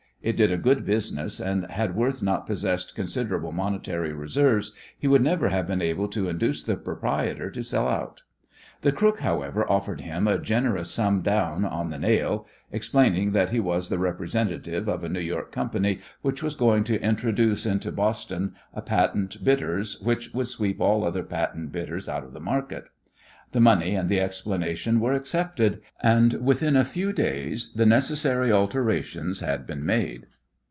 It did a good business, and had Worth not possessed considerable monetary reserves he would never have been able to induce the proprietor to sell out. The crook, however, offered him a generous sum down "on the nail," explaining that he was the representative of a New York company which was going to introduce into Boston a patent bitters which would sweep all other patent bitters out of the market. The money and the explanation were accepted, and within a few days the necessary alterations had been made.